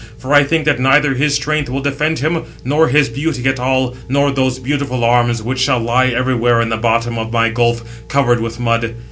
For I think that neither his strength will defend him, nor his beauty at all, nor those beautiful arms, which shall lie everywhere in the very bottom of my gulf, covered with mud.